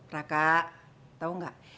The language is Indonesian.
raka tau nggak